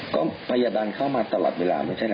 ก็พยาบาลเข้ามาตลอดเวลาไม่ใช่นะ